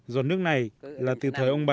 giọt nước này là từ thời ông ba